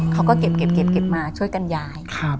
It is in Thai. เขาก็เก็บมาช่วยกันย้าย